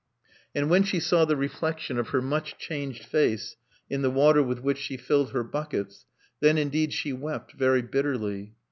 And when she saw the reflection of her much changed face in the water with which she filled her buckets, then indeed she wept very bitterly.